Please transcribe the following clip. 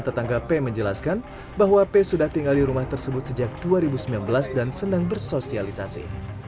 tetangga p menjelaskan bahwa p sudah tinggal di rumah tersebut sejak dua ribu sembilan belas dan senang bersosialisasi